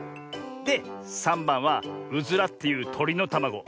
で３ばんはウズラっていうとりのたまご。